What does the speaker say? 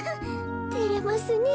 てれますねえ。